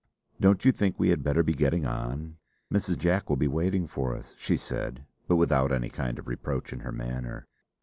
"Don't you think we had better be getting on? Mrs. Jack will be waiting for us!" she said, but without any kind of reproach in her manner.